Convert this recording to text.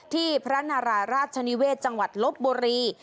ที่พระนารายราชนิเวศจังหวัดลบบุรี